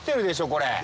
これ。